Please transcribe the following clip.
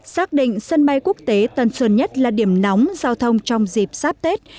xác định sân bay quốc tế tân sơn nhất là điểm nóng giao thông trong dịp sắp tết